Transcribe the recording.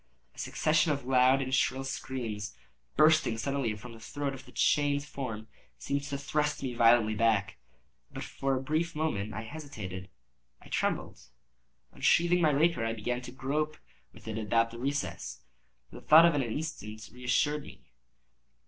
A succession of loud and shrill screams, bursting suddenly from the throat of the chained form, seemed to thrust me violently back. For a brief moment I hesitated—I trembled. Unsheathing my rapier, I began to grope with it about the recess; but the thought of an instant reassured me.